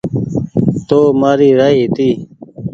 تو مآري رآئي هيتي